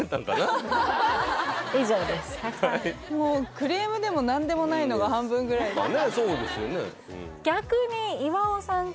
はいもうクレームでも何でもないのが半分ぐらいそうですよね